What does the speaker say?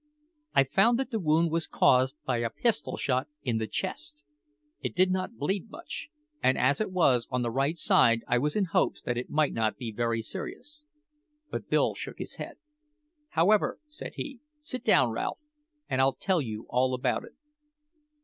I found that the wound was caused by a pistol shot in the chest. It did not bleed much, and as it was on the right side, I was in hopes that it might not be very serious. But Bill shook his head. "However," said he, "sit down, Ralph, and I'll tell you all about it.